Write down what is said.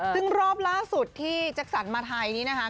ซึ่งรอบล่าสุดที่แจ็คสันมาไทยนี้นะคะ